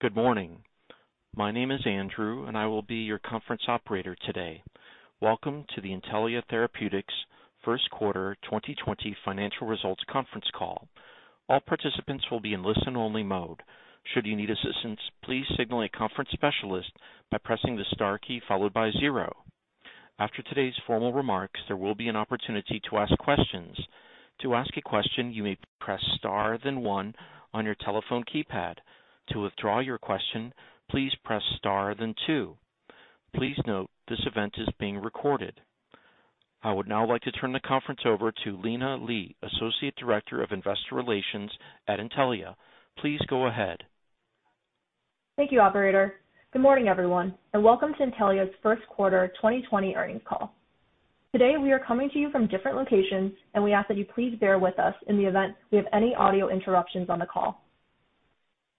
Good morning. My name is Andrew, I will be your conference operator today. Welcome to the Intellia Therapeutics First Quarter 2020 Financial Results Conference Call. All participants will be in listen-only mode. Should you need assistance, please signal a conference specialist by pressing the star key followed by zero. After today's formal remarks, there will be an opportunity to ask questions. To ask a question, you may press star then one on your telephone keypad. To withdraw your question, please press star then two. Please note, this event is being recorded. I would now like to turn the conference over to Lina Li, Associate Director of Investor Relations at Intellia. Please go ahead. Thank you, operator. Good morning, everyone, and welcome to Intellia's first quarter 2020 earnings call. Today, we are coming to you from different locations, and we ask that you please bear with us in the event we have any audio interruptions on the call.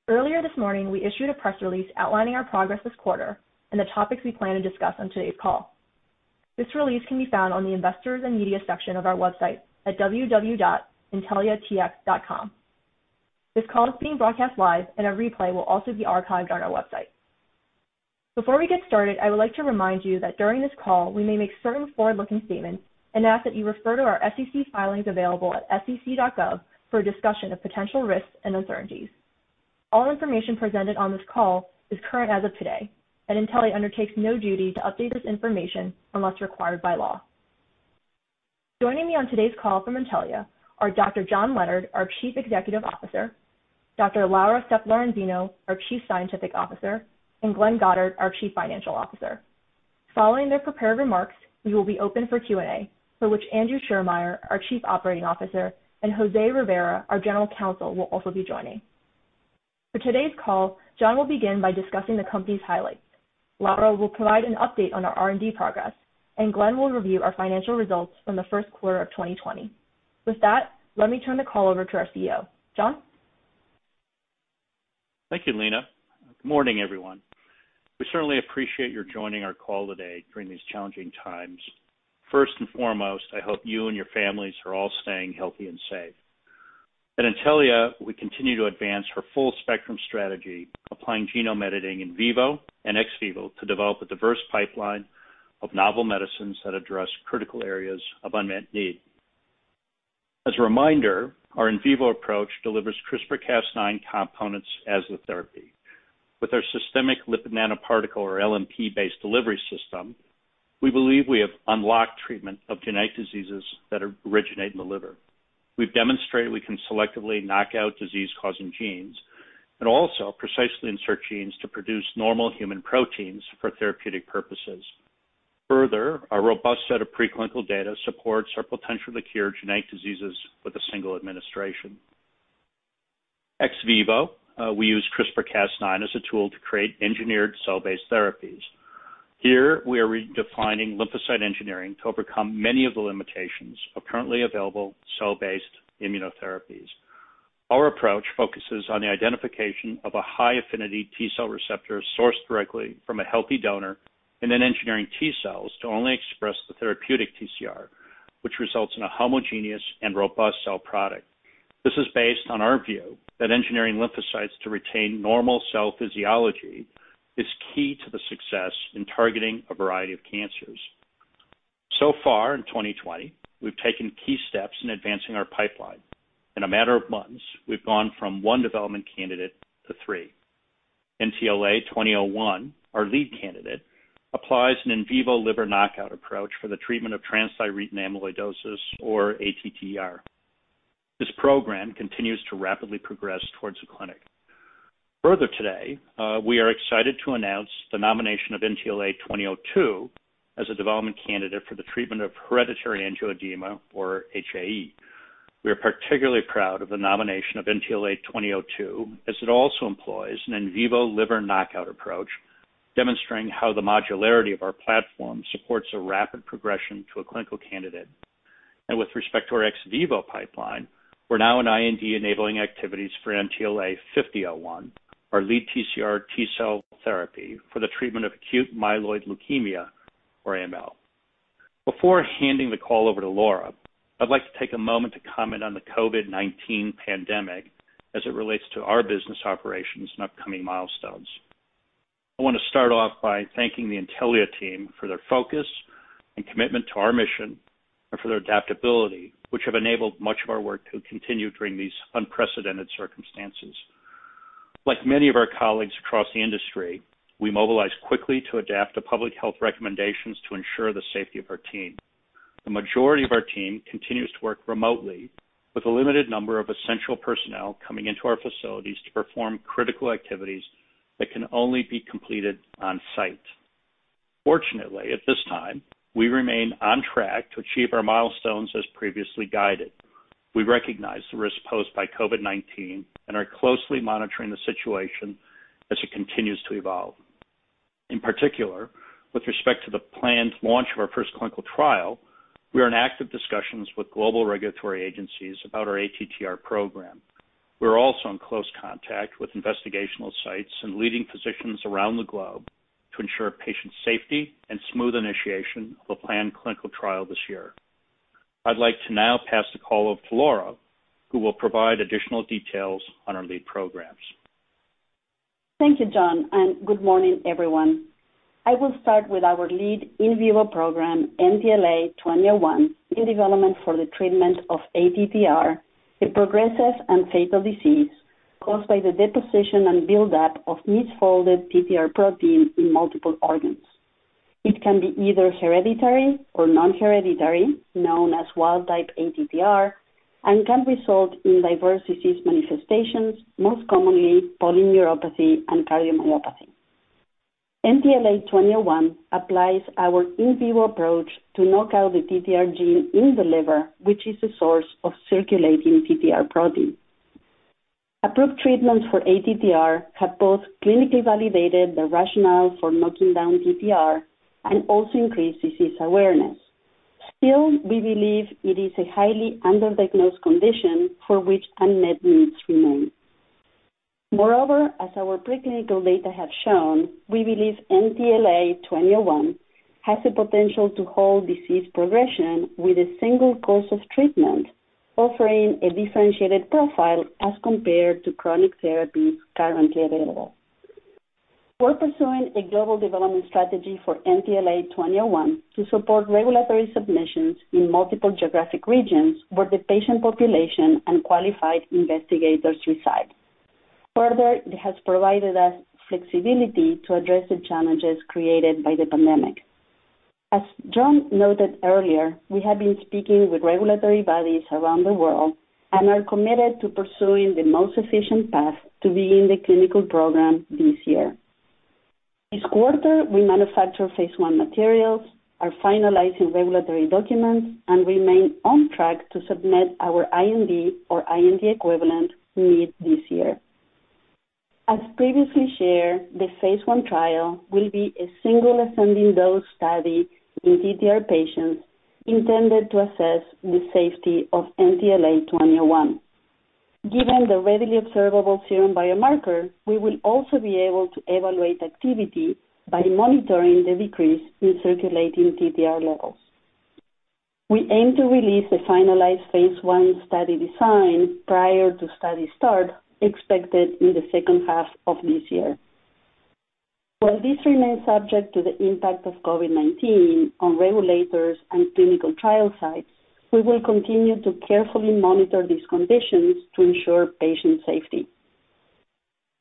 Earlier this morning, we issued a press release outlining our progress this quarter and the topics we plan to discuss on today's call. This release can be found on the Investors and Media section of our website at www.intelliatx.com. This call is being broadcast live, and a replay will also be archived on our website. Before we get started, I would like to remind you that during this call, we may make certain forward-looking statements and ask that you refer to our SEC filings available at sec.gov for a discussion of potential risks and uncertainties. All information presented on this call is current as of today, and Intellia undertakes no duty to update this information unless required by law. Joining me on today's call from Intellia are Dr. John Leonard, our Chief Executive Officer, Dr. Laura Sepp-Lorenzino, our Chief Scientific Officer, and Glenn Goddard, our Chief Financial Officer. Following their prepared remarks, we will be open for Q&A for which Andrew Schiermeier, our Chief Operating Officer, and Jose Rivera, our General Counsel, will also be joining. For today's call, John will begin by discussing the company's highlights. Laura will provide an update on our R&D progress, and Glenn will review our financial results from the first quarter of 2020. With that, let me turn the call over to our CEO. John? Thank you, Lina. Good morning, everyone. We certainly appreciate your joining our call today during these challenging times. First and foremost, I hope you and your families are all staying healthy and safe. At Intellia, we continue to advance our full spectrum strategy, applying genome editing in vivo and ex vivo to develop a diverse pipeline of novel medicines that address critical areas of unmet need. As a reminder, our in vivo approach delivers CRISPR-Cas9 components as the therapy. With our systemic lipid nanoparticle or LNP-based delivery system, we believe we have unlocked treatment of genetic diseases that originate in the liver. We've demonstrated we can selectively knock out disease-causing genes and also precisely insert genes to produce normal human proteins for therapeutic purposes. Further, a robust set of preclinical data supports our potential to cure genetic diseases with a single administration. Ex vivo, we use CRISPR-Cas9 as a tool to create engineered cell-based therapies. Here, we are redefining lymphocyte engineering to overcome many of the limitations of currently available cell-based immunotherapies. Our approach focuses on the identification of a high-affinity T-cell receptor sourced directly from a healthy donor, and then engineering T-cells to only express the therapeutic TCR, which results in a homogeneous and robust cell product. This is based on our view that engineering lymphocytes to retain normal cell physiology is key to the success in targeting a variety of cancers. Far in 2020, we've taken key steps in advancing our pipeline. In a matter of months, we've gone from one development candidate to three. NTLA-2001, our lead candidate, applies an in vivo liver knockout approach for the treatment of transthyretin amyloidosis or ATTR. This program continues to rapidly progress towards the clinic. Today, we are excited to announce the nomination of NTLA-2002 as a development candidate for the treatment of hereditary angioedema or HAE. We are particularly proud of the nomination of NTLA-2002 as it also employs an in vivo liver knockout approach, demonstrating how the modularity of our platform supports a rapid progression to a clinical candidate. With respect to our ex vivo pipeline, we're now in IND-enabling activities for NTLA-5001, our lead TCR T-cell therapy for the treatment of acute myeloid leukemia or AML. Before handing the call over to Laura, I'd like to take a moment to comment on the COVID-19 pandemic as it relates to our business operations and upcoming milestones. I want to start off by thanking the Intellia team for their focus and commitment to our mission and for their adaptability, which have enabled much of our work to continue during these unprecedented circumstances. Like many of our colleagues across the industry, we mobilized quickly to adapt to public health recommendations to ensure the safety of our team. The majority of our team continues to work remotely with a limited number of essential personnel coming into our facilities to perform critical activities that can only be completed on-site. Fortunately, at this time, we remain on track to achieve our milestones as previously guided. We recognize the risks posed by COVID-19 and are closely monitoring the situation as it continues to evolve. In particular, with respect to the planned launch of our first clinical trial, we are in active discussions with global regulatory agencies about our ATTR program. We're also in close contact with investigational sites and leading physicians around the globe to ensure patient safety and smooth initiation of a planned clinical trial this year. I'd like to now pass the call over to Laura, who will provide additional details on our lead programs. Thank you, John. Good morning, everyone. I will start with our lead in vivo program, NTLA-2001, in development for the treatment of ATTR, a progressive and fatal disease caused by the deposition and build-up of misfolded TTR protein in multiple organs. It can be either hereditary or non-hereditary, known as wild type ATTR, and can result in diverse disease manifestations, most commonly polyneuropathy and cardiomyopathy. NTLA-2001 applies our in vivo approach to knock out the TTR gene in the liver, which is the source of circulating TTR protein. Approved treatments for ATTR have both clinically validated the rationale for knocking down TTR and also increased disease awareness. Still, we believe it is a highly under-diagnosed condition for which unmet needs remain. Moreover, as our preclinical data have shown, we believe NTLA-2001 has the potential to halt disease progression with a single course of treatment, offering a differentiated profile as compared to chronic therapies currently available. We're pursuing a global development strategy for NTLA-2001 to support regulatory submissions in multiple geographic regions where the patient population and qualified investigators reside. It has provided us flexibility to address the challenges created by the pandemic. As John noted earlier, we have been speaking with regulatory bodies around the world and are committed to pursuing the most efficient path to be in the clinical program this year. This quarter, we manufactured phase I materials, are finalizing regulatory documents, and remain on track to submit our IND or IND equivalent mid this year. As previously shared, the phase I trial will be a single ascending dose study in TTR patients intended to assess the safety of NTLA-2001. Given the readily observable serum biomarker, we will also be able to evaluate activity by monitoring the decrease in circulating TTR levels. We aim to release the finalized phase I study design prior to study start, expected in the second half of this year. While this remains subject to the impact of COVID-19 on regulators and clinical trial sites, we will continue to carefully monitor these conditions to ensure patient safety.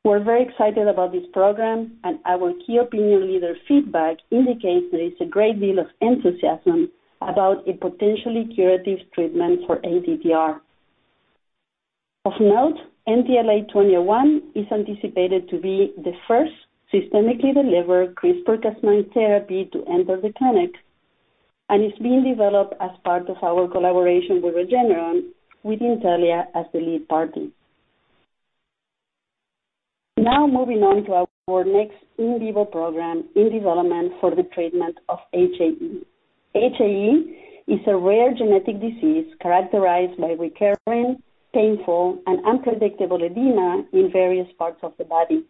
We're very excited about this program, and our key opinion leader feedback indicates there is a great deal of enthusiasm about a potentially curative treatment for ATTR. Of note, NTLA-2001 is anticipated to be the first systemically delivered CRISPR-Cas9 therapy to enter the clinic and is being developed as part of our collaboration with Regeneron with Intellia as the lead party. Now moving on to our next in vivo program in development for the treatment of HAE. HAE is a rare genetic disease characterized by recurring, painful, and unpredictable edema in various parts of the body.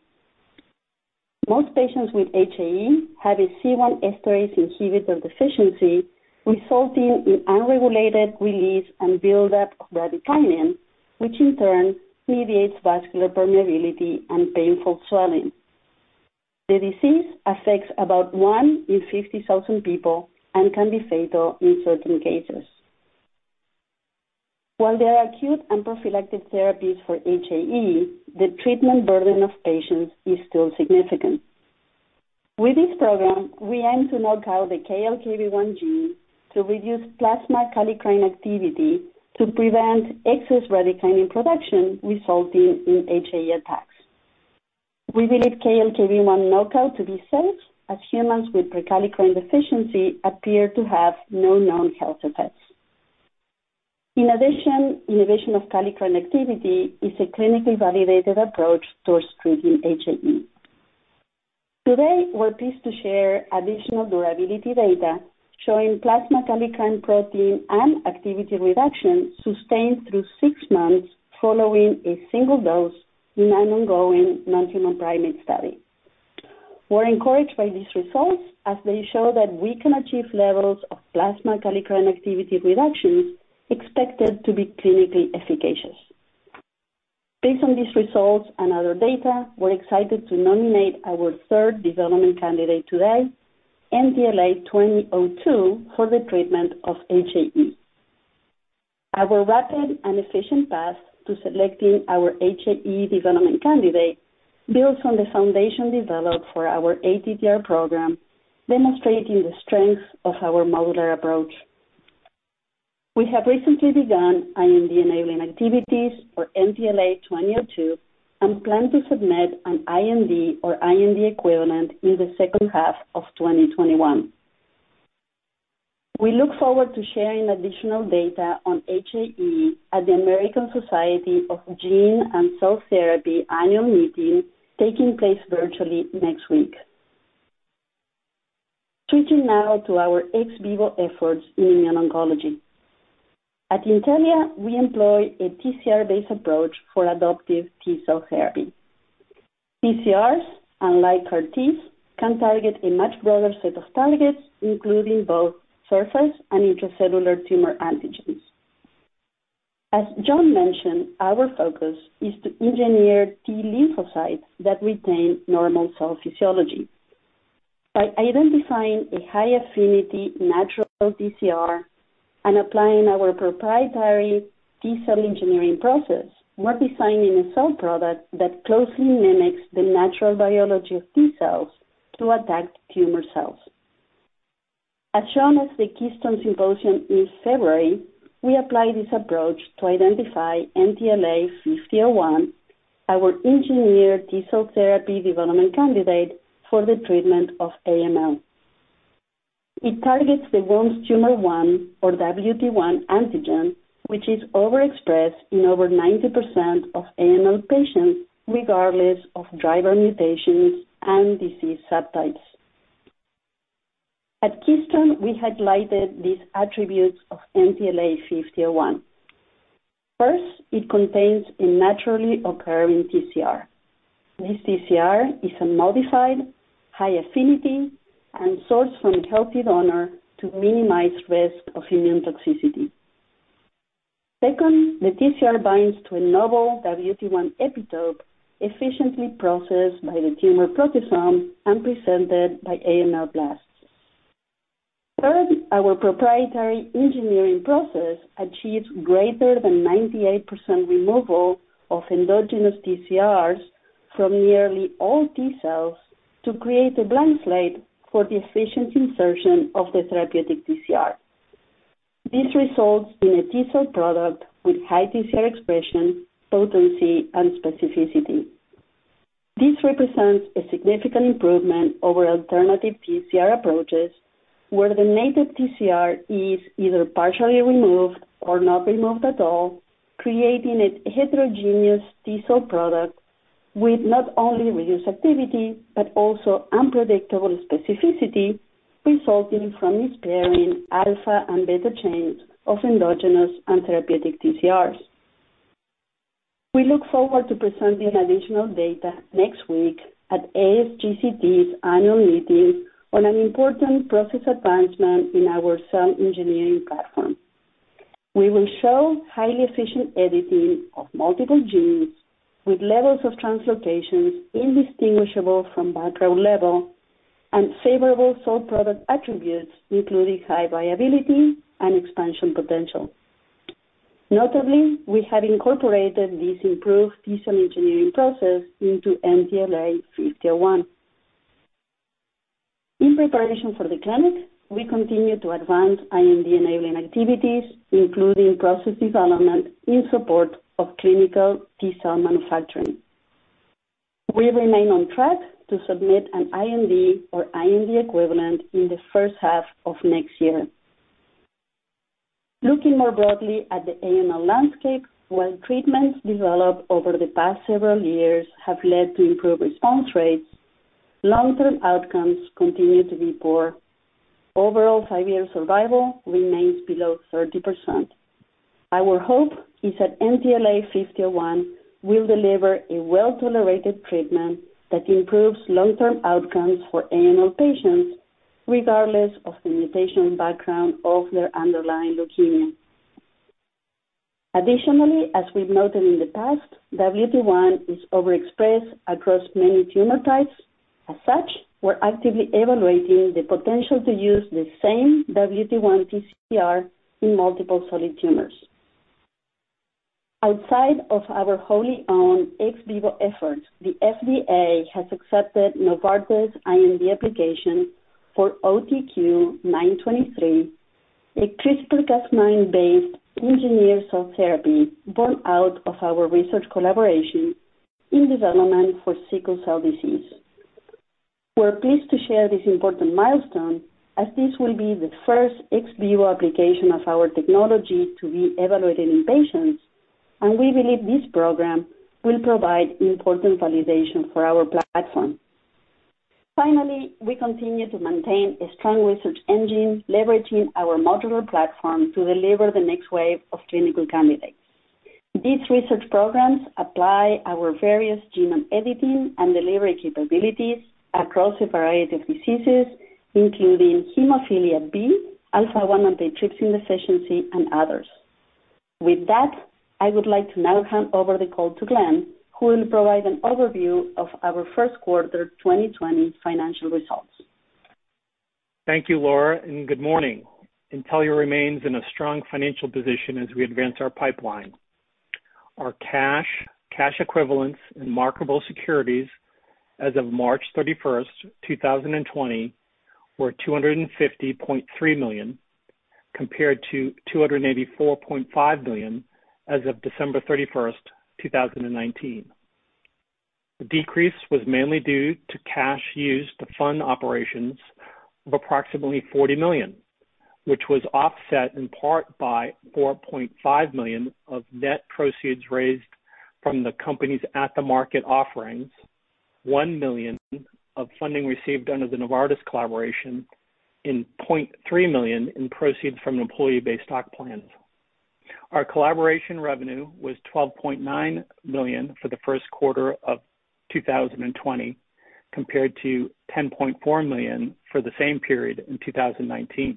Most patients with HAE have a C1 esterase inhibitor deficiency, resulting in unregulated release and build-up of bradykinin, which in turn mediates vascular permeability and painful swelling. The disease affects about one in 50,000 people and can be fatal in certain cases. While there are acute and prophylactic therapies for HAE, the treatment burden of patients is still significant. With this program, we aim to knock out the KLKB1 gene to reduce plasma kallikrein activity to prevent excess bradykinin production resulting in HAE attacks. We believe KLKB1 knockout to be safe, as humans with prekallikrein deficiency appear to have no known health effects. In addition, inhibition of kallikrein activity is a clinically validated approach towards treating HAE. Today, we're pleased to share additional durability data showing plasma kallikrein protein and activity reduction sustained through six months following a single dose in an ongoing non-human primate study. We're encouraged by these results, as they show that we can achieve levels of plasma kallikrein activity reductions expected to be clinically efficacious. Based on these results and other data, we're excited to nominate our third development candidate today, NTLA-2002, for the treatment of HAE. Our rapid and efficient path to selecting our HAE development candidate builds on the foundation developed for our ATTR program, demonstrating the strength of our modular approach. We have recently begun IND-enabling activities for NTLA-2002 and plan to submit an IND or IND equivalent in the second half of 2021. We look forward to sharing additional data on HAE at the American Society of Gene and Cell Therapy annual meeting taking place virtually next week. Switching now to our ex vivo efforts in immune oncology. At Intellia, we employ a TCR-based approach for adoptive T-cell therapy. TCRs, unlike CAR Ts, can target a much broader set of targets, including both surface and intracellular tumor antigens. As John mentioned, our focus is to engineer T lymphocytes that retain normal cell physiology. By identifying a high-affinity natural TCR and applying our proprietary T-cell engineering process, we're designing a cell product that closely mimics the natural biology of T cells to attack tumor cells. As shown at the Keystone Symposia in February, we applied this approach to identify NTLA-5001, our engineered T-cell therapy development candidate for the treatment of AML. It targets the Wilms' tumor one, or WT1 antigen, which is overexpressed in over 90% of AML patients, regardless of driver mutations and disease subtypes. At Keystone, we highlighted these attributes of NTLA-5001. First, it contains a naturally occurring TCR. This TCR is unmodified, high affinity, and sourced from a healthy donor to minimize risk of immune toxicity. Second, the TCR binds to a novel WT1 epitope efficiently processed by the tumor proteasome and presented by AML blasts. Third, our proprietary engineering process achieves greater than 98% removal of endogenous TCRs from nearly all T cells to create a blank slate for the efficient insertion of the therapeutic TCR. This results in a T-cell product with high TCR expression, potency, and specificity. This represents a significant improvement over alternative TCR approaches where the native TCR is either partially removed or not removed at all, creating a heterogeneous T-cell product with not only reduced activity, but also unpredictable specificity, resulting from pairing alpha and beta chains of endogenous and therapeutic TCRs. We look forward to presenting additional data next week at ASGCT's annual meeting on an important process advancement in our cell engineering platform. We will show highly efficient editing of multiple genes with levels of translocations indistinguishable from background level and favorable cell product attributes, including high viability and expansion potential. Notably, we have incorporated this improved T-cell engineering process into NTLA-5001. In preparation for the clinic, we continue to advance IND-enabling activities, including process development in support of clinical T-cell manufacturing. We remain on track to submit an IND or IND equivalent in the first half of next year. Looking more broadly at the AML landscape, while treatments developed over the past several years have led to improved response rates, long-term outcomes continue to be poor. Overall five-year survival remains below 30%. Our hope is that NTLA-5001 will deliver a well-tolerated treatment that improves long-term outcomes for AML patients, regardless of the mutational background of their underlying leukemia. Additionally, as we've noted in the past, WT1 is overexpressed across many tumor types. As such, we're actively evaluating the potential to use the same WT1 TCR in multiple solid tumors. Outside of our wholly owned ex vivo efforts, the FDA has accepted Novartis IND application for OTQ923, a CRISPR-Cas9-based engineered cell therapy born out of our research collaboration in development for sickle cell disease. We're pleased to share this important milestone, as this will be the first ex vivo application of our technology to be evaluated in patients, and we believe this program will provide important validation for our platform. Finally, we continue to maintain a strong research engine, leveraging our modular platform to deliver the next wave of clinical candidates. These research programs apply our various genome editing and delivery capabilities across a variety of diseases, including hemophilia B, alpha-one antitrypsin deficiency, and others. With that, I would like to now hand over the call to Glenn, who will provide an overview of our first quarter 2020 financial results. Thank you, Laura. Good morning. Intellia remains in a strong financial position as we advance our pipeline. Our cash equivalents, and marketable securities as of March 31st, 2020, were $250.3 million compared to $284.5 million as of December 31st, 2019. The decrease was mainly due to cash used to fund operations of approximately $40 million, which was offset in part by $4.5 million of net proceeds raised from the company's at-the-market offerings, $1 million of funding received under the Novartis collaboration, and $0.3 million in proceeds from employee-based stock plans. Our collaboration revenue was $12.9 million for the first quarter of 2020, compared to $10.4 million for the same period in 2019.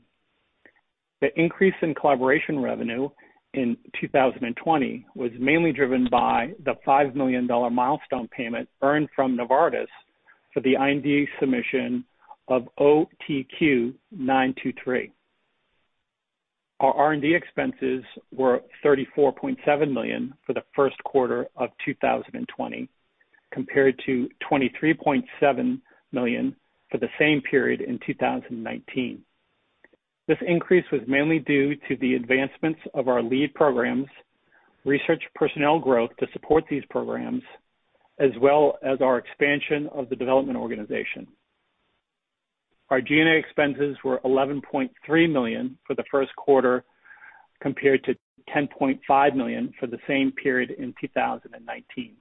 The increase in collaboration revenue in 2020 was mainly driven by the $5 million milestone payment earned from Novartis for the IND submission of OTQ923. Our R&D expenses were $34.7 million for the first quarter of 2020, compared to $23.7 million for the same period in 2019. This increase was mainly due to the advancements of our lead programs, research personnel growth to support these programs, as well as our expansion of the development organization. Our G&A expenses were $11.3 million for the first quarter, compared to $10.5 million for the same period in 2019.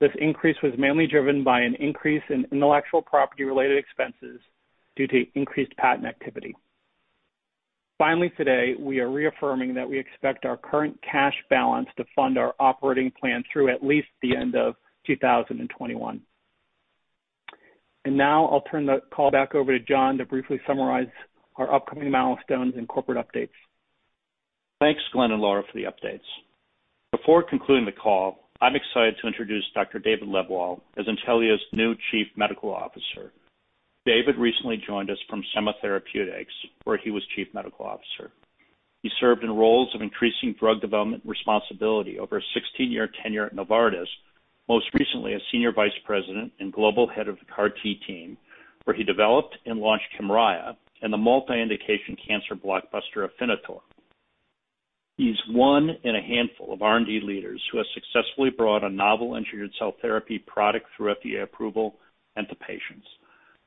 This increase was mainly driven by an increase in intellectual property-related expenses due to increased patent activity. Finally, today, we are reaffirming that we expect our current cash balance to fund our operating plan through at least the end of 2021. Now I'll turn the call back over to John to briefly summarize our upcoming milestones and corporate updates. Thanks, Glenn and Laura, for the updates. Before concluding the call, I'm excited to introduce Dr. David Lebwohl as Intellia's new Chief Medical Officer. David recently joined us from Semma Therapeutics, where he was Chief Medical Officer. He served in roles of increasing drug development responsibility over a 16-year tenure at Novartis, most recently as senior vice president and global head of the CAR T team, where he developed and launched Kymriah and the multi-indication cancer blockbuster, Afinitor. He's one in a handful of R&D leaders who has successfully brought a novel engineered cell therapy product through FDA approval and to patients.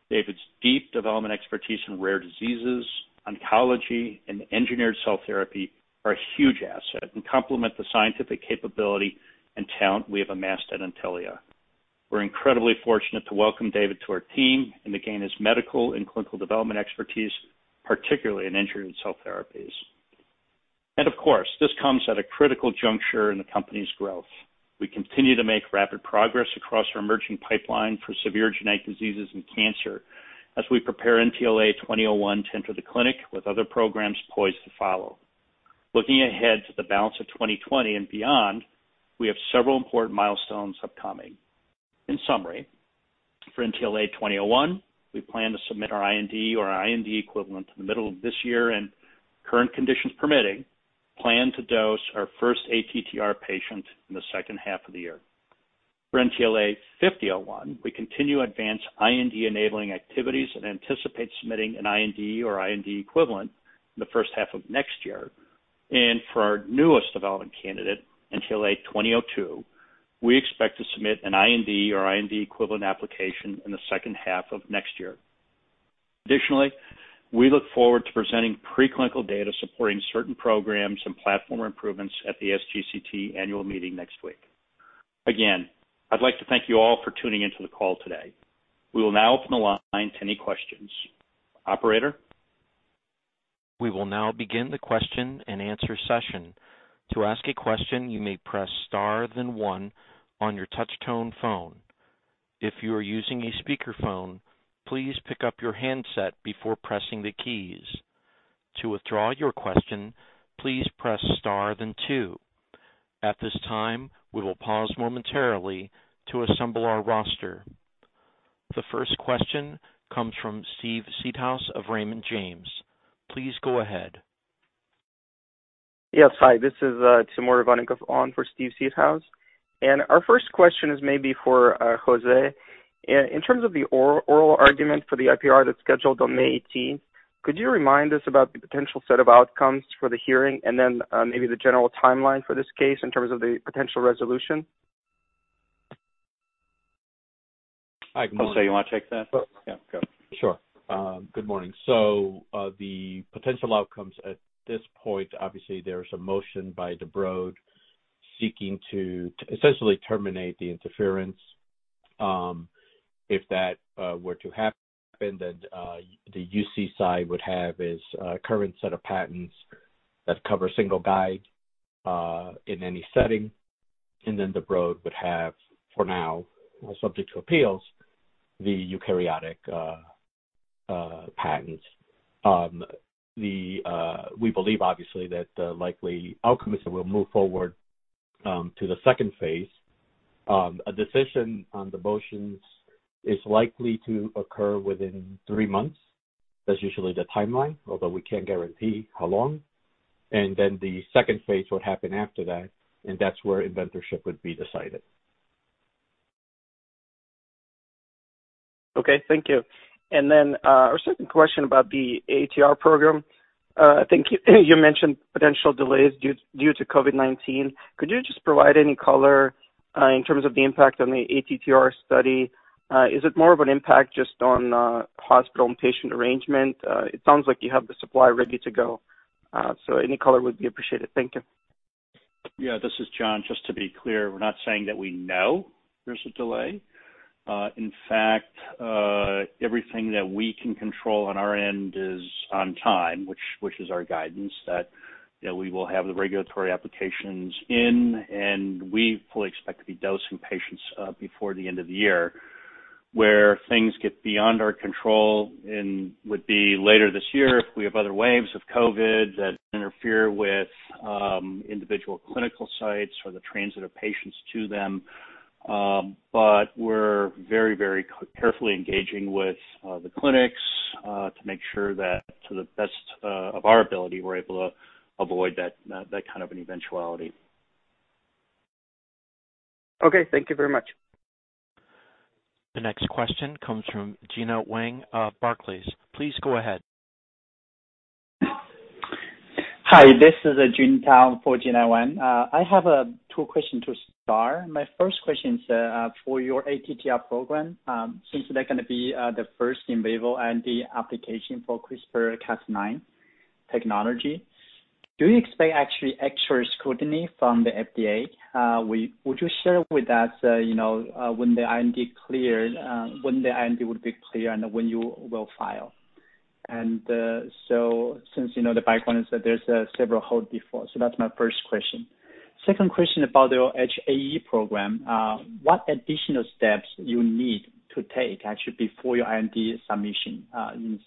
David's deep development expertise in rare diseases, oncology, and engineered cell therapy are a huge asset and complement the scientific capability and talent we have amassed at Intellia. We're incredibly fortunate to welcome David to our team and to gain his medical and clinical development expertise, particularly in engineered cell therapies. This comes at a critical juncture in the company's growth. We continue to make rapid progress across our emerging pipeline for severe genetic diseases and cancer as we prepare NTLA-2001 to enter the clinic, with other programs poised to follow. Looking ahead to the balance of 2020 and beyond, we have several important milestones upcoming. In summary, for NTLA-2001, we plan to submit our IND or IND equivalent in the middle of this year and, current conditions permitting, plan to dose our first ATTR patient in the second half of the year. For NTLA-5001, we continue to advance IND-enabling activities and anticipate submitting an IND or IND equivalent in the first half of next year. For our newest development candidate, NTLA-2002, we expect to submit an IND or IND equivalent application in the second half of next year. Additionally, we look forward to presenting preclinical data supporting certain programs and platform improvements at the ASGCT annual meeting next week. Again, I'd like to thank you all for tuning in to the call today. We will now open the line to any questions. Operator? We will now begin the question and answer session. To ask a question, you may press star then one on your touch tone phone. If you are using a speakerphone, please pick up your handset before pressing the keys. To withdraw your question, please press star then two. At this time, we will pause momentarily to assemble our roster. The first question comes from Steve Seedhouse of Raymond James. Please go ahead. Hi. This is Timur Ivannikov on for Steve Seedhouse. Our first question is maybe for Jose. In terms of the oral argument for the IPR that's scheduled on May 18th, could you remind us about the potential set of outcomes for the hearing and then maybe the general timeline for this case in terms of the potential resolution? Jose, you want to take that? Yeah, go. Sure. Good morning. The potential outcomes at this point, obviously there's a motion by the Broad seeking to essentially terminate the interference. If that were to happen, the UC side would have its current set of patents that cover single guide in any setting, and the Broad would have, for now, subject to appeals, the eukaryotic patents. We believe, obviously, that the likely outcome is that we'll move forward to the second phase. A decision on the motions is likely to occur within three months. That's usually the timeline, although we can't guarantee how long. The second phase would happen after that's where inventorship would be decided. Okay. Thank you. Our second question about the ATTR program. I think you mentioned potential delays due to COVID-19. Could you just provide any color in terms of the impact on the ATTR study? Is it more of an impact just on hospital and patient arrangement? It sounds like you have the supply ready to go. Any color would be appreciated. Thank you. Yeah, this is John. Just to be clear, we're not saying that we know there's a delay. Everything that we can control on our end is on time, which is our guidance that we will have the regulatory applications in, and we fully expect to be dosing patients before the end of the year. Where things get beyond our control would be later this year if we have other waves of COVID that interfere with individual clinical sites or the transit of patients to them. We're very carefully engaging with the clinics to make sure that to the best of our ability, we're able to avoid that kind of an eventuality. Okay. Thank you very much. The next question comes from Gena Wang of Barclays. Please go ahead. Hi, this is Jin Tao. I have two questions to start. My first question is for your ATTR program. Since they're going to be the first in vivo and the application for CRISPR-Cas9 technology, do you expect extra scrutiny from the FDA? Would you share with us when the IND would be clear, and when you will file? Since you know the background is that there's several hold before. That's my first question. Second question about your HAE program. What additional steps you need to take actually before your IND submission in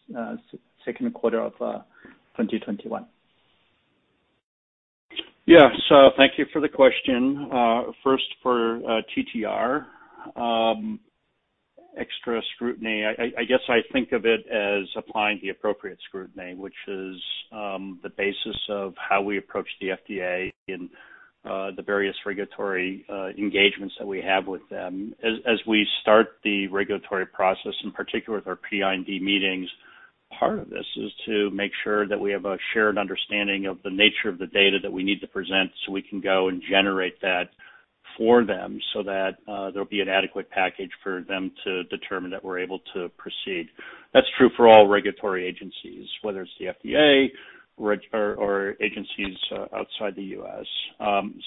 second quarter of 2021? Yes. Thank you for the question. First for TTR, extra scrutiny, I guess I think of it as applying the appropriate scrutiny, which is the basis of how we approach the FDA in the various regulatory engagements that we have with them. As we start the regulatory process, in particular with our pre-IND meetings, part of this is to make sure that we have a shared understanding of the nature of the data that we need to present so we can go and generate that for them so that there'll be an adequate package for them to determine that we're able to proceed. That's true for all regulatory agencies, whether it's the FDA or agencies outside the U.S.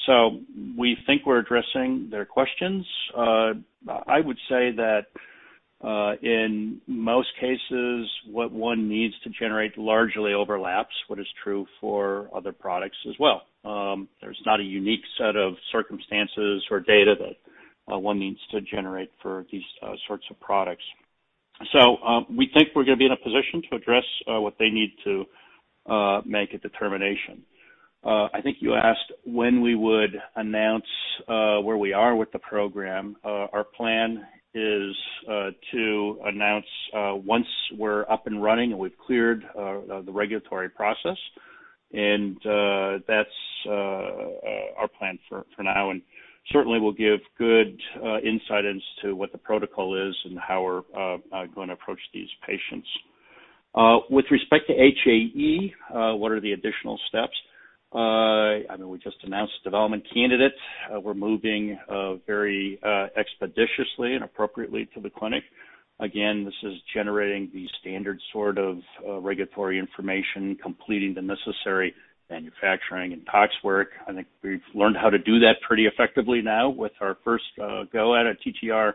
So we think we're addressing their questions. I would say that in most cases, what one needs to generate largely overlaps what is true for other products as well. There's not a unique set of circumstances or data that one needs to generate for these sorts of products. We think we're going to be in a position to address what they need to make a determination. I think you asked when we would announce where we are with the program. Our plan is to announce once we're up and running and we've cleared the regulatory process. That's our plan for now and certainly will give good insight as to what the protocol is and how we're going to approach these patients. With respect to HAE, what are the additional steps? I know we just announced development candidates. We're moving very expeditiously and appropriately to the clinic. Again, this is generating the standard sort of regulatory information, completing the necessary manufacturing and tox work. I think we've learned how to do that pretty effectively now with our first go at a TTR,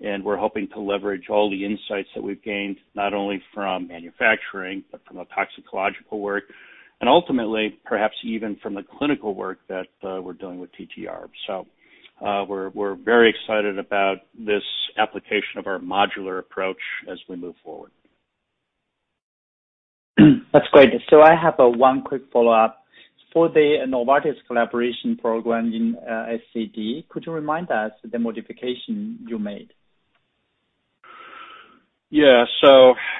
and we're hoping to leverage all the insights that we've gained, not only from manufacturing, but from a toxicological work, and ultimately, perhaps even from the clinical work that we're doing with TTR. We're very excited about this application of our modular approach as we move forward. That's great. I have one quick follow-up. For the Novartis collaboration program in SCD, could you remind us the modification you made? Yeah.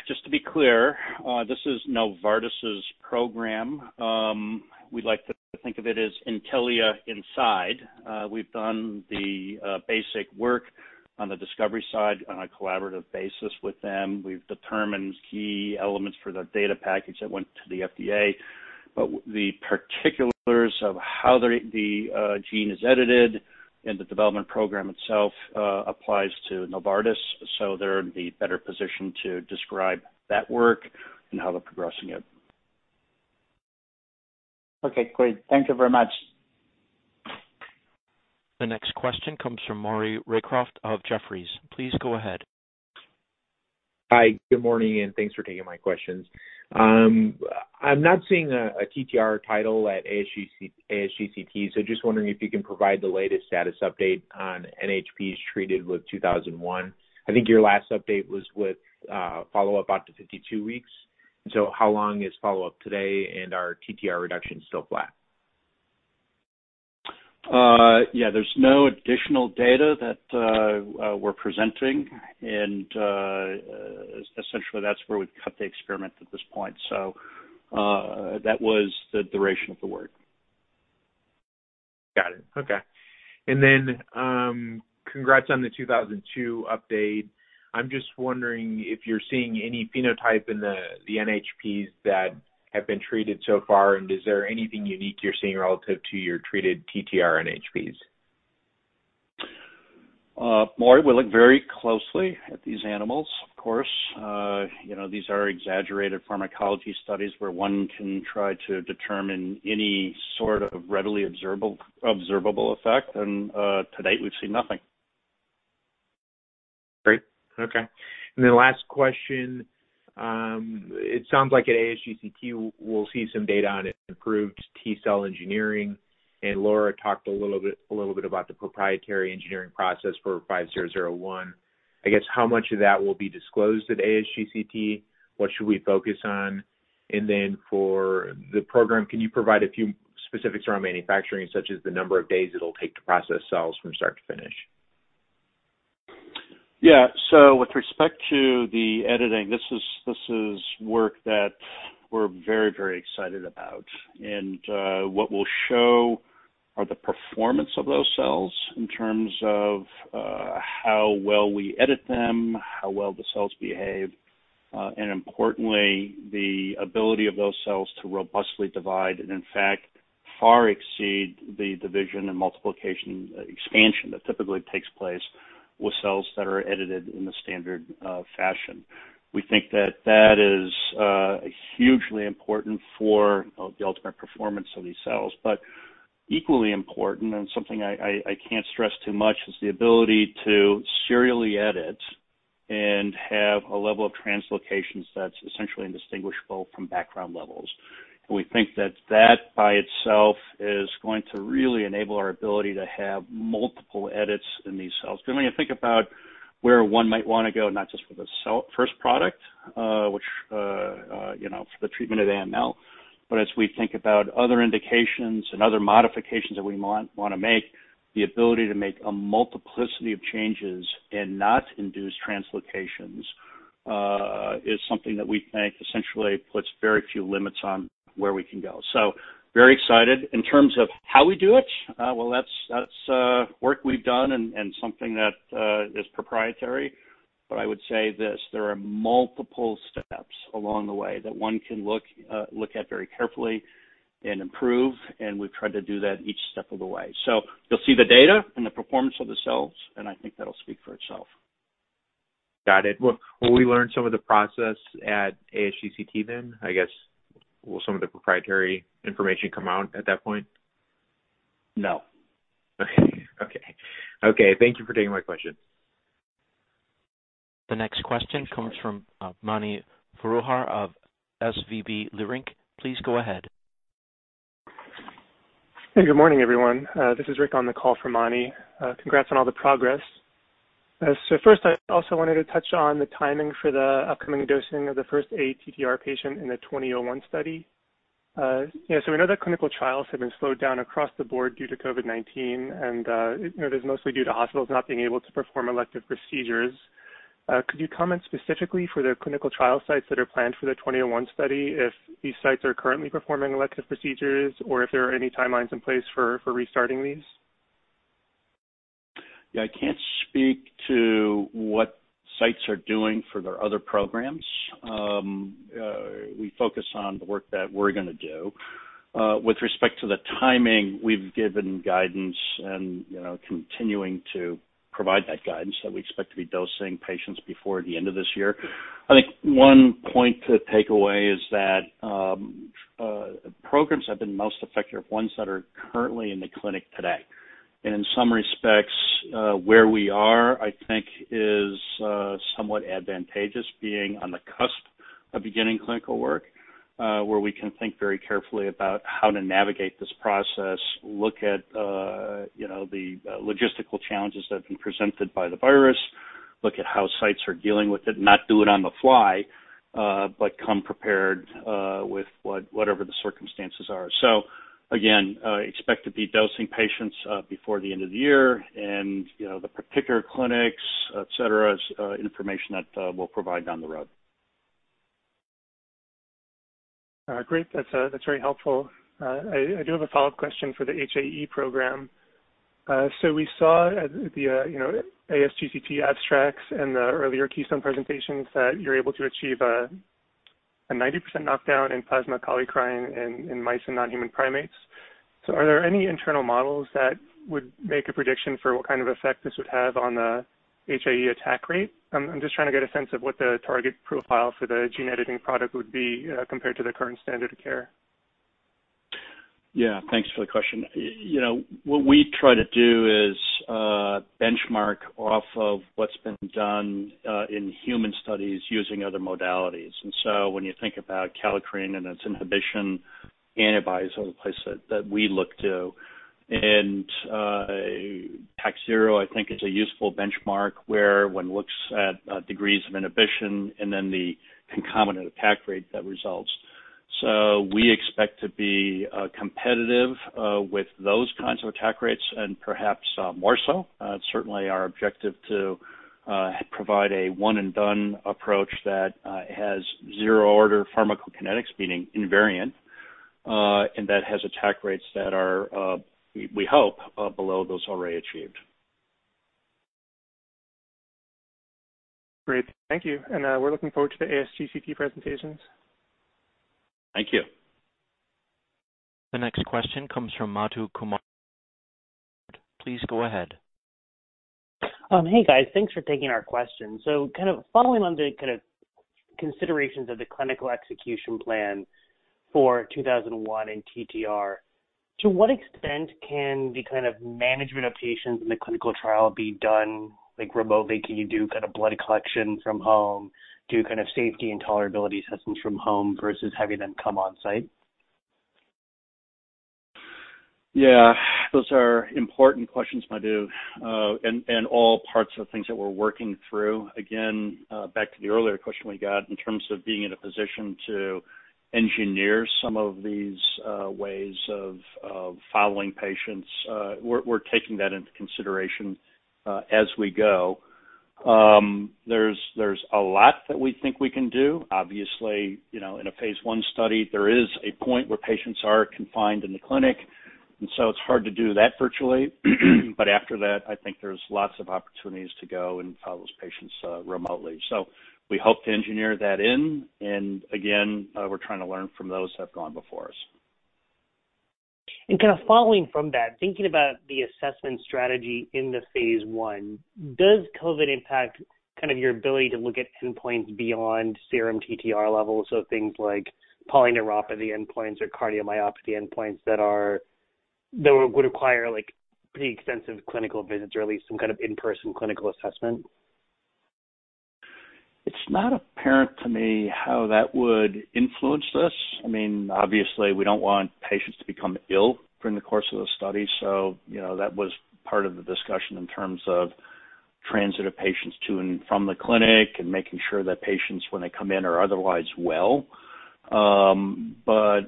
Just to be clear, this is Novartis' program. We like to think of it as Intellia inside. We've done the basic work on the discovery side on a collaborative basis with them. We've determined key elements for the data package that went to the FDA. The particulars of how the gene is edited and the development program itself applies to Novartis, they're in the better position to describe that work and how they're progressing it. Okay, great. Thank you very much. The next question comes from Maury Raycroft of Jefferies. Please go ahead. Hi, good morning, and thanks for taking my questions. I'm not seeing a TTR title at ASGCT, so just wondering if you can provide the latest status update on NHPs treated with 2001. I think your last update was with follow-up out to 52 weeks. How long is follow-up today, and are TTR reductions still flat? Yeah. There's no additional data that we're presenting. Essentially, that's where we've cut the experiment at this point. That was the duration of the work. Got it. Okay. Congrats on the 2002 update. I'm just wondering if you're seeing any phenotype in the NHPs that have been treated so far, and is there anything unique you're seeing relative to your treated TTR NHPs? Maury, we look very closely at these animals, of course. These are exaggerated pharmacology studies where one can try to determine any sort of readily observable effect, and to date, we've seen nothing. Great. Okay. Last question. It sounds like at ASGCT, we'll see some data on improved T-cell engineering, and Laura talked a little bit about the proprietary engineering process for 5001. I guess, how much of that will be disclosed at ASGCT? What should we focus on? For the program, can you provide a few specifics around manufacturing, such as the number of days it'll take to process cells from start to finish? With respect to the editing, this is work that we're very excited about. What we'll show are the performance of those cells in terms of how well we edit them, how well the cells behave, and importantly, the ability of those cells to robustly divide and in fact, far exceed the division and multiplication expansion that typically takes place with cells that are edited in the standard fashion. We think that is hugely important for the ultimate performance of these cells. Equally important and something I can't stress too much, is the ability to serially edit and have a level of translocations that's essentially indistinguishable from background levels. We think that by itself is going to really enable our ability to have multiple edits in these cells, because when you think about where one might want to go, not just for the first product for the treatment of AML, but as we think about other indications and other modifications that we want to make, the ability to make a multiplicity of changes and not induce translocations is something that we think essentially puts very few limits on where we can go. Very excited. In terms of how we do it, well, that's work we've done and something that is proprietary, but I would say this. There are multiple steps along the way that one can look at very carefully and improve, and we've tried to do that each step of the way. You'll see the data and the performance of the cells, and I think that'll speak for itself. Got it. Will we learn some of the process at ASGCT then? I guess, will some of the proprietary information come out at that point? No. Okay. Thank you for taking my question. The next question comes from Mani Foroohar of SVB Leerink. Please go ahead. Good morning, everyone. This is Rick on the call for Mani. Congrats on all the progress. First, I also wanted to touch on the timing for the upcoming dosing of the first ATTR patient in the 2001 study. We know that clinical trials have been slowed down across the board due to COVID-19, and it is mostly due to hospitals not being able to perform elective procedures. Could you comment specifically for the clinical trial sites that are planned for the 2001 study if these sites are currently performing elective procedures or if there are any timelines in place for restarting these? Yeah, I can't speak to what sites are doing for their other programs. We focus on the work that we're going to do. With respect to the timing, we've given guidance and continuing to provide that guidance that we expect to be dosing patients before the end of this year. I think one point to take away is that programs have been most effective, ones that are currently in the clinic today. In some respects, where we are, I think, is somewhat advantageous being on the cusp of beginning clinical work, where we can think very carefully about how to navigate this process, look at the logistical challenges that have been presented by COVID-19, look at how sites are dealing with it, not do it on the fly, but come prepared with whatever the circumstances are. Again, expect to be dosing patients before the end of the year and the particular clinics, et cetera, is information that we'll provide down the road. Great. That's very helpful. I do have a follow-up question for the HAE program. We saw at the ASGCT abstracts and the earlier Keystone presentations that you're able to achieve a 90% knockdown in plasma kallikrein in mice and non-human primates. Are there any internal models that would make a prediction for what kind of effect this would have on the HAE attack rate? I'm just trying to get a sense of what the target profile for the gene editing product would be compared to the current standard of care. Yeah. Thanks for the question. What we try to do is benchmark off of what's been done in human studies using other modalities. When you think about kallikrein and its inhibition, antibodies are the place that we look to. Takhzyro, I think is a useful benchmark where one looks at degrees of inhibition and then the concomitant attack rate that results. We expect to be competitive with those kinds of attack rates and perhaps more so. Certainly our objective to provide a one and done approach that has zero order pharmacokinetics being invariant, and that has attack rates that are, we hope, below those already achieved. Great. Thank you. We're looking forward to the ASGCT presentations. Thank you. The next question comes from Madhu Kumar. Please go ahead. Hey, guys. Thanks for taking our question. Following on the considerations of the clinical execution plan for 2001 in TTR, to what extent can the management of patients in the clinical trial be done remotely? Can you do blood collection from home, do safety and tolerability assessments from home versus having them come on-site? Yeah. Those are important questions, Madhu, and all parts of things that we're working through. Back to the earlier question we got in terms of being in a position to engineer some of these ways of following patients. We're taking that into consideration as we go. There's a lot that we think we can do. Obviously, in a phase I study, there is a point where patients are confined in the clinic, and so it's hard to do that virtually. After that, I think there's lots of opportunities to go and follow those patients remotely. We hope to engineer that in, and again, we're trying to learn from those who have gone before us. Following from that, thinking about the assessment strategy in the phase I, does COVID impact your ability to look at endpoints beyond serum TTR levels? Things like polyneuropathy endpoints or cardiomyopathy endpoints that would require pretty extensive clinical visits or at least some kind of in-person clinical assessment. It's not apparent to me how that would influence this. Obviously, we don't want patients to become ill during the course of the study, so that was part of the discussion in terms of transit of patients to and from the clinic and making sure that patients, when they come in, are otherwise well. The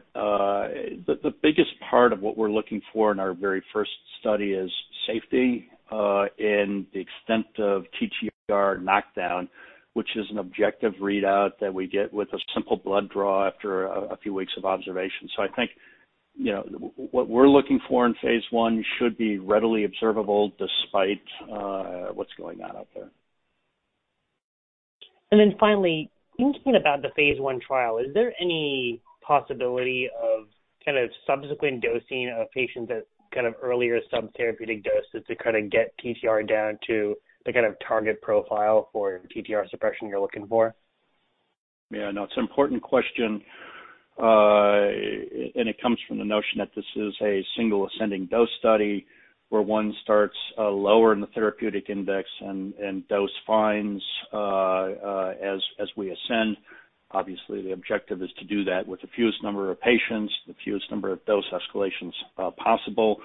biggest part of what we're looking for in our very first study is safety in the extent of TTR knockdown, which is an objective readout that we get with a simple blood draw after a few weeks of observation. I think what we're looking for in phase I should be readily observable despite what's going on out there. Finally, thinking about the phase I trial, is there any possibility of subsequent dosing of patients at earlier subtherapeutic doses to get TTR down to the target profile for TTR suppression you're looking for? Yeah, no, it's an important question. It comes from the notion that this is a single ascending dose study where one starts lower in the therapeutic index and dose finds as we ascend. Obviously, the objective is to do that with the fewest number of patients, the fewest number of dose escalations possible.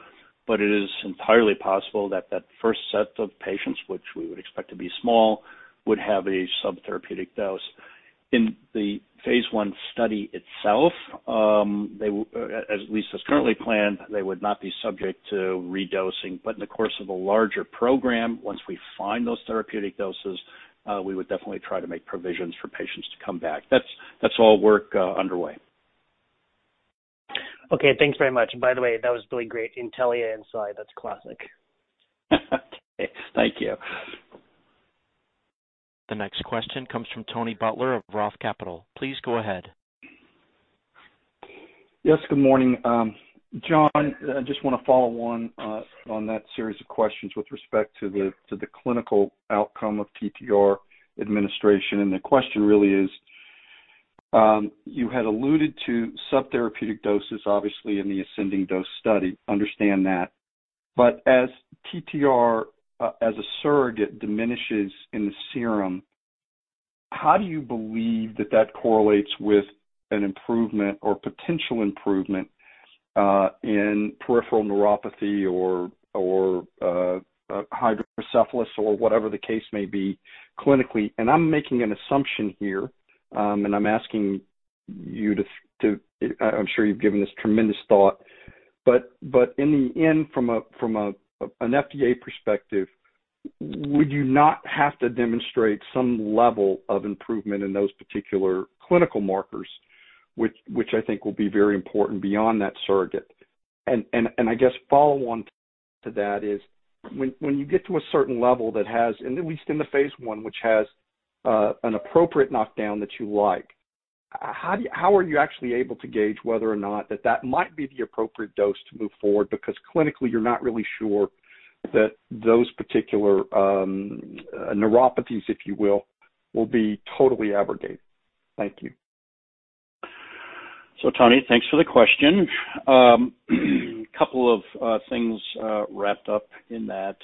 It is entirely possible that that first set of patients, which we would expect to be small, would have a subtherapeutic dose. In the phase I study itself, at least as currently planned, they would not be subject to redosing. In the course of a larger program, once we find those therapeutic doses, we would definitely try to make provisions for patients to come back. That's all work underway. Okay. Thanks very much. By the way, that was really great. Intellia Insight, that's classic. Okay. Thank you. The next question comes from Tony Butler of Roth Capital. Please go ahead. Yes, good morning. John, I just want to follow on that series of questions with respect to the clinical outcome of TTR administration. The question really is, you had alluded to subtherapeutic doses, obviously, in the ascending dose study. Understand that. As TTR as a surrogate diminishes in the serum, how do you believe that that correlates with an improvement or potential improvement in peripheral neuropathy or hydrocephalus or whatever the case may be clinically? I'm making an assumption here, I'm asking you to, I'm sure you've given this tremendous thought, in the end from an FDA perspective, would you not have to demonstrate some level of improvement in those particular clinical markers, which I think will be very important beyond that surrogate? I guess follow on to that is when you get to a certain level that has, at least in the phase I, which has an appropriate knockdown that you like, how are you actually able to gauge whether or not that might be the appropriate dose to move forward? Because clinically, you're not really sure that those particular neuropathies, if you will be totally abrogated. Thank you. Tony, thanks for the question. Couple of things wrapped up in that.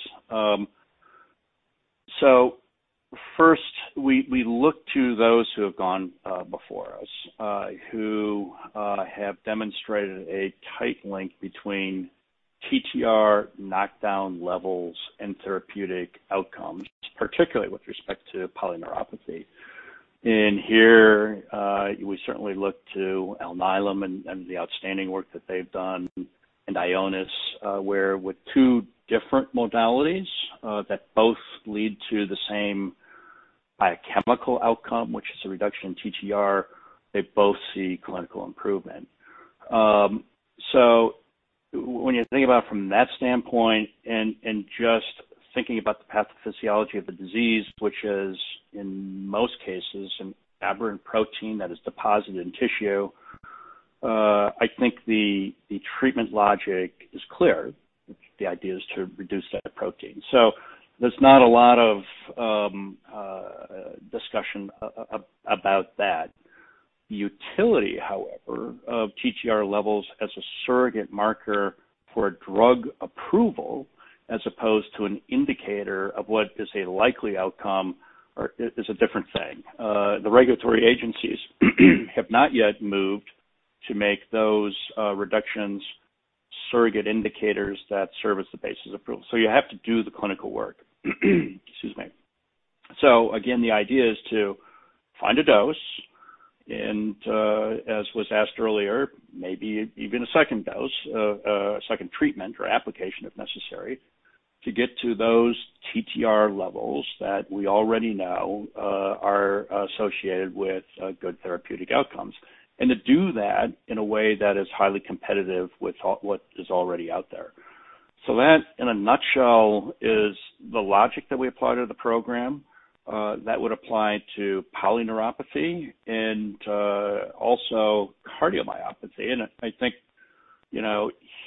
First, we look to those who have gone before us, who have demonstrated a tight link between TTR knockdown levels and therapeutic outcomes, particularly with respect to polyneuropathy. Here, we certainly look to Alnylam and the outstanding work that they've done, and Ionis, where with two different modalities that both lead to the same biochemical outcome, which is a reduction in TTR, they both see clinical improvement. When you think about from that standpoint and just thinking about the pathophysiology of the disease, which is in most cases an aberrant protein that is deposited in tissue, I think the treatment logic is clear. The idea is to reduce that protein. There's not a lot of discussion about that. Utility, however, of TTR levels as a surrogate marker for drug approval as opposed to an indicator of what is a likely outcome is a different thing. The regulatory agencies have not yet moved to make those reductions surrogate indicators that serve as the basis of approval. You have to do the clinical work. Excuse me. Again, the idea is to find a dose and, as was asked earlier, maybe even a second dose, a second treatment or application if necessary, to get to those TTR levels that we already know are associated with good therapeutic outcomes. To do that in a way that is highly competitive with what is already out there. That, in a nutshell, is the logic that we apply to the program. That would apply to polyneuropathy and also cardiomyopathy. I think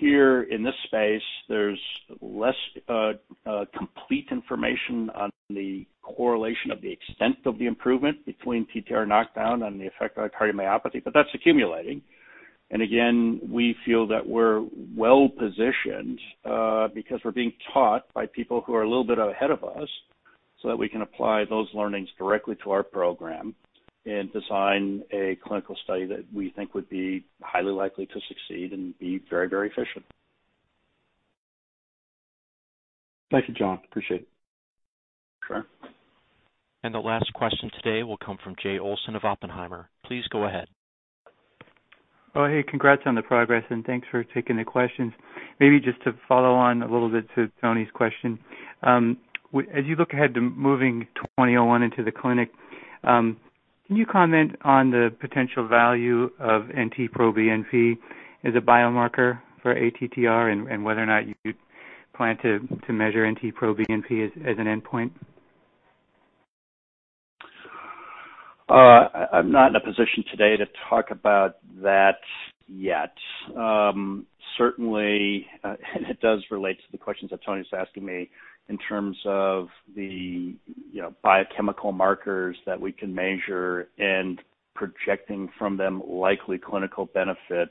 here in this space, there's less complete information on the correlation of the extent of the improvement between TTR knockdown and the effect on cardiomyopathy. That's accumulating. Again, we feel that we're well-positioned because we're being taught by people who are a little bit ahead of us so that we can apply those learnings directly to our program and design a clinical study that we think would be highly likely to succeed and be very efficient. Thank you, John. Appreciate it. Sure. The last question today will come from Jay Olson of Oppenheimer. Please go ahead. Oh, hey. Congrats on the progress, and thanks for taking the questions. Maybe just to follow on a little bit to Tony's question. As you look ahead to moving NTLA-2001 into the clinic, can you comment on the potential value of NT-proBNP as a biomarker for ATTR and whether or not you plan to measure NT-proBNP as an endpoint? I'm not in a position today to talk about that yet. Certainly, it does relate to the questions that Tony's asking me in terms of the biochemical markers that we can measure and projecting from them likely clinical benefit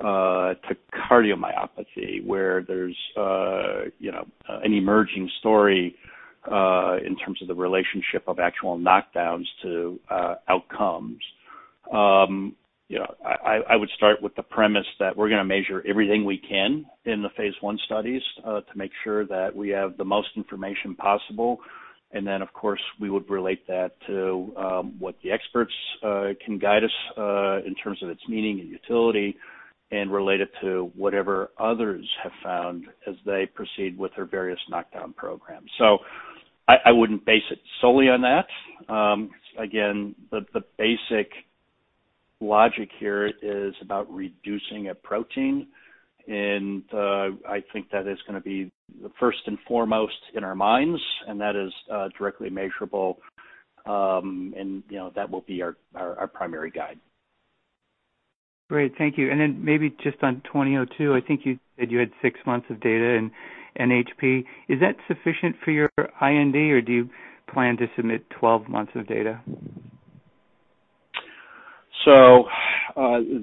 to cardiomyopathy, where there's an emerging story in terms of the relationship of actual knockdowns to outcomes. I would start with the premise that we're going to measure everything we can in the phase I studies to make sure that we have the most information possible. Then, of course, we would relate that to what the experts can guide us in terms of its meaning and utility and relate it to whatever others have found as they proceed with their various knockdown programs. I wouldn't base it solely on that. Again, the basic logic here is about reducing a protein, and I think that is going to be first and foremost in our minds, and that is directly measurable. That will be our primary guide. Great. Thank you. Maybe just on NTLA-2002, I think you said you had six months of data in NHP. Is that sufficient for your IND, or do you plan to submit 12 months of data?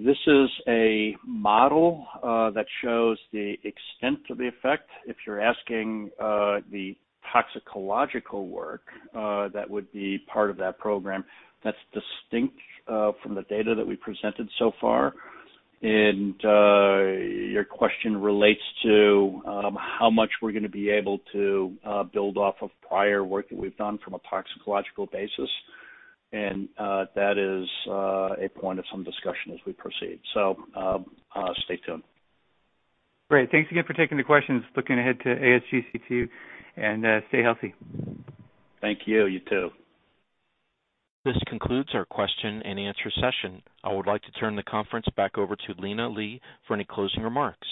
This is a model that shows the extent of the effect. If you're asking the toxicological work that would be part of that program, that's distinct from the data that we presented so far. Your question relates to how much we're going to be able to build off of prior work that we've done from a toxicological basis. That is a point of some discussion as we proceed. Stay tuned. Great. Thanks again for taking the questions. Looking ahead to ASGCT, and stay healthy. Thank you. You too. This concludes our question and answer session. I would like to turn the conference back over to Lina Li for any closing remarks.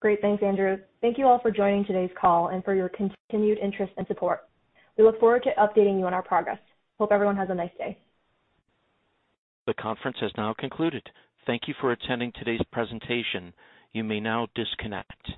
Great. Thanks, Andrew. Thank you all for joining today's call and for your continued interest and support. We look forward to updating you on our progress. Hope everyone has a nice day. The conference has now concluded. Thank you for attending today's presentation. You may now disconnect.